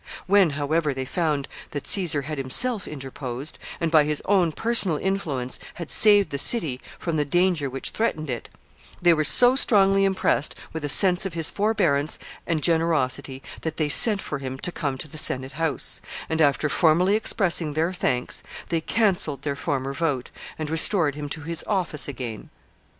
When, however, they found that Caesar had himself interposed, and by his own personal influence had saved the city from the danger which threatened it, they were so strongly impressed with a sense of his forbearance and generosity, that they sent for him to come to the senate house, and, after formally expressing their thanks, they canceled their former vote, and restored him to his office again.